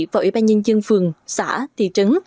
và ủy ban nhân dân phường xã thị trấn